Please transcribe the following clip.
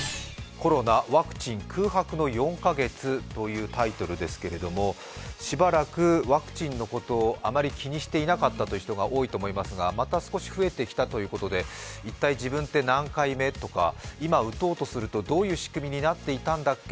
コロナワクチン空白の４か月というタイトルですけれどもしばらくワクチンのことをあまり気にしていなかった人も多いと思いますがまた少し増えてきたということで一体自分って何回目とか今、打とうとするとどういう仕組みになっていたんだっけ？